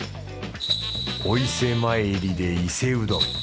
お伊勢参りで伊勢うどん。